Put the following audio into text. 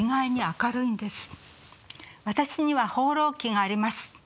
「私には『放浪記』があります」。